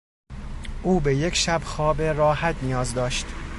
او به یک شب خواب راحت نیاز داشت.